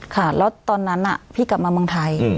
ค่ะแล้วตอนนั้นพี่กลับมาเมืองไทย